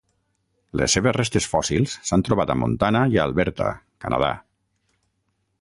Les seves restes fòssils s'han trobat a Montana i a Alberta, Canadà.